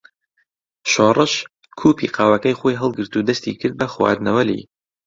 شۆڕش کووپی قاوەکەی خۆی هەڵگرت و دەستی کرد بە خواردنەوە لێی.